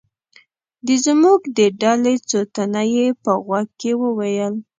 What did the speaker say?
د زموږ د ډلې څو تنه یې په غوږ کې و ویل.